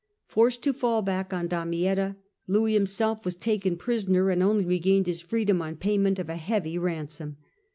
P'orced to fall back on Damietta, Louis himself was taken prisoner, and only regained his freedom on payment of a heavy ransom.